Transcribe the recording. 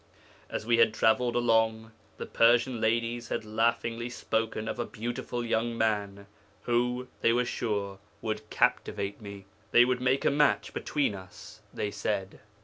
As we had travelled along, the Persian ladies had laughingly spoken of a beautiful young man, who, they were sure, would captivate me. They would make a match between us, they said.